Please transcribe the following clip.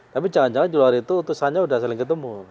tapi jangan jangan di luar itu utusannya sudah saling ketemu